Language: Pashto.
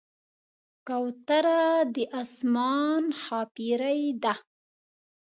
کوتره د آسمان ښاپېرۍ ده.